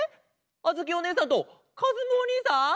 あづきおねえさんとかずむおにいさん？